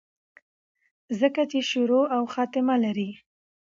ځکه چې شورو او خاتمه لري